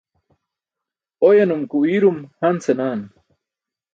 Oyanum ke uuyrum han senaa.